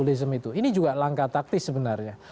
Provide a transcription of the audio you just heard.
ini juga langkah taktis sebenarnya